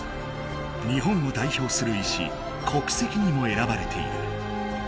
日本を代表する石「国石」にもえらばれている。